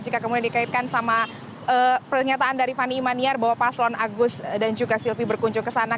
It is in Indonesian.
jika kemudian dikaitkan sama pernyataan dari fani imaniar bahwa paslon agus dan juga silvi berkunjung ke sana